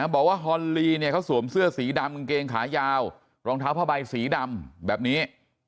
บอกว่าฮอนลีเนี่ยเขาสวมเสื้อสีดำกางเกงขายาวรองเท้าผ้าใบสีดำแบบนี้